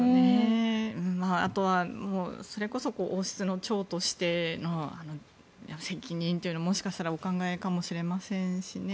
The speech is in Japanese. あとは、それこそ王室の長としての責任とかもしかしたらお考えかもしれませんしね。